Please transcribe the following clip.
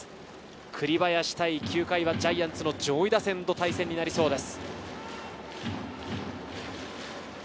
栗林対９回はジャイアンツの上位打線の対戦になりそうです。